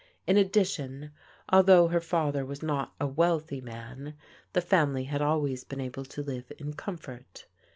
In addi tion, although her father was not a wealthy man, the family had always been able to live in comfort.